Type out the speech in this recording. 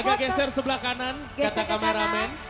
kita geser sebelah kanan kata kameramen